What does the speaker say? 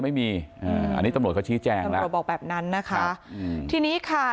ไม่มีอ่าอันนี้ตำรวจเขาชี้แจงตำรวจบอกแบบนั้นนะคะอืมทีนี้ค่ะ